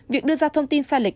việc đưa ra thông tin sai lệch